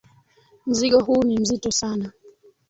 Mzigo huu ni mzito sana.